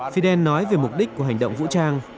fidel nói về mục đích của hành động vũ trang